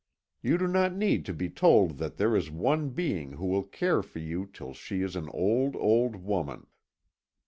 You do not need to be told that there is one being who will care for you till she is an old, old woman.